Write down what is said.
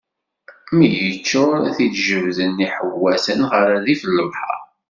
Mi yeččuṛ, ad t-id-jebden iḥewwaten ɣer rrif n lebḥeṛ.